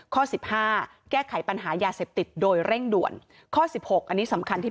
๑๕แก้ไขปัญหายาเสพติดโดยเร่งด่วน